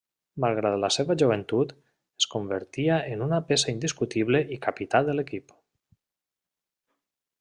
Malgrat la seva joventut, es convertia en una peça indiscutible i capità de l'equip.